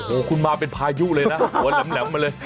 โอ้คุณมาเป็นพายุเลยนะหลัมมาเลย